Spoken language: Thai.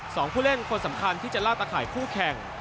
ผู้เล่นคนสำคัญที่จะล่าตะข่ายคู่แข่ง